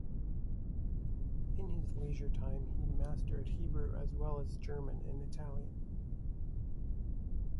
In his leisure time he mastered Hebrew as well as German and Italian.